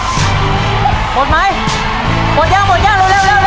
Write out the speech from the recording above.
หมดไหมหมดยังหมดยังเร็ว